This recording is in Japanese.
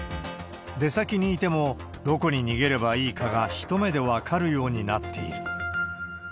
出先にいても、どこに逃げればいいかが一目で分かるようになっている。